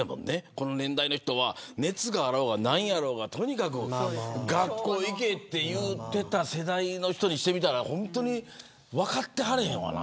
この年代の人は熱があろうが何やろうがとにかく学校に行けと言っていた世代の人にしてみたら分かってはれへんわな。